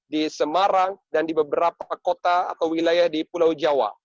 di semarang dan di beberapa kota atau wilayah di pulau jawa